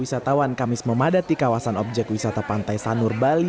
enam wisatawan kamis memadat di kawasan objek wisata pantai sanur bali